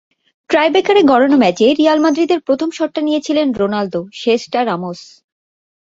টাইব্রেকারে গড়ানো ম্যাচে রিয়াল মাদ্রিদের প্রথম শটটা নিয়েছিলেন রোনালদো, শেষটা রামোস।